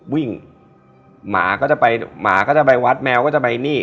หมาก็จะไปหมาก็จะไปวัดแมวก็จะไปนี่